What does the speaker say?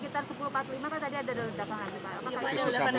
pak sekitar sepuluh empat puluh lima tadi ada ledakan apa tadi ada ledakan lagi